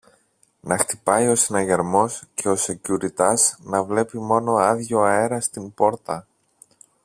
να χτυπάει ο συναγερμός και ο σεκιουριτάς να βλέπει μόνο άδειο αέρα στην πόρτα